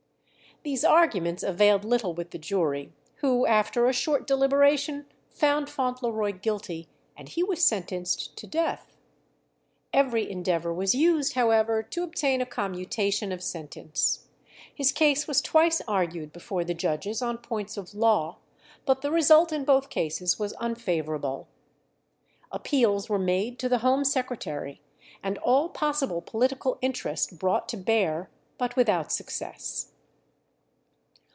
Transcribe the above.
These arguments availed little with the jury, who after a short deliberation found Fauntleroy guilty, and he was sentenced to death. Every endeavour was used, however, to obtain a commutation of sentence. His case was twice argued before the judges on points of law, but the result in both cases was unfavourable. Appeals were made to the Home Secretary, and all possible political interest brought to bear, but without success.